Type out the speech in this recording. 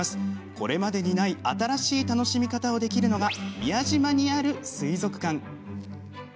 これまでにない新しい楽しみ方をできるのが宮島にある水族館。